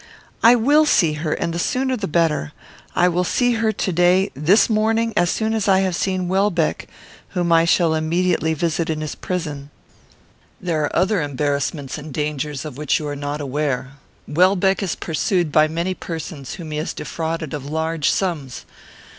"I will see her, and the sooner the better. I will see her to day; this morning; as soon as I have seen Welbeck, whom I shall immediately visit in his prison." "There are other embarrassments and dangers of which you are not aware. Welbeck is pursued by many persons whom he has defrauded of large sums.